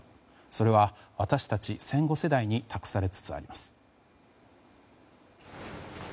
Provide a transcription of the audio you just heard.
それは、私たち戦後世代に託されつつあります。